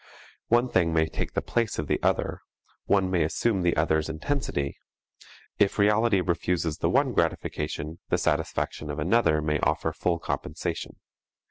One thing may take the place of the other; one may assume the other's intensity; if reality refuses the one gratification, the satisfaction of another may offer full compensation.